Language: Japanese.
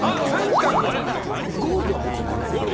ゴールドは持ってないんだけど。